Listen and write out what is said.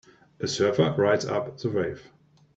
a surfer rides up the wave.